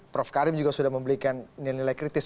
prof karim juga sudah memberikan nilai nilai kritis